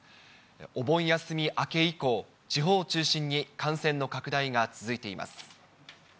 お盆休み明け以降、地方を中心に感染の拡大が続いています。